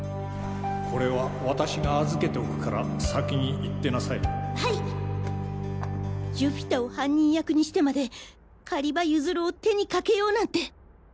これは私が預けておくから先に行ってな寿飛太を犯人役にしてまで狩場ユズルを手にかけようなんて。